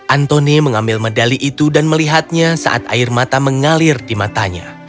antoni mengambil medali itu dan melihatnya saat air mata mengalir di matanya